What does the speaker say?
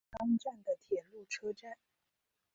月冈站的铁路车站。